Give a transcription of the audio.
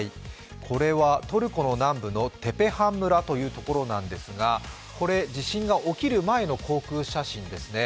これはトルコの南部のテペハン村というところですが、これ地震が起きる前の航空写真ですね。